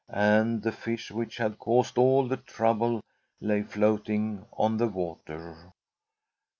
And the fish which had caused all the trouble lay floating on the water.